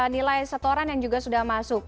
nilai setoran yang juga sudah masuk